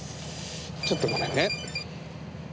ちょっとごめんね。